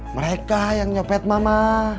mereka yang nyopet mama